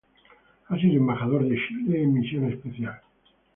Ha sido Embajador de Chile en misión especial.